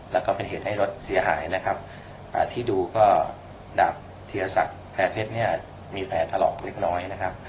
แล้วก็เป็นเหตุให้รถเสียหายที่ดูก็ดาบเทียสักแพร่เพชรมีแผ่ตะหรอกเล็กน้อย